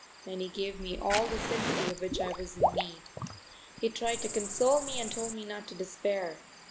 Then he gave me all the sympathy of which I was in need. He tried to console me and told me not to despair.